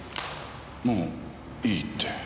もういいって。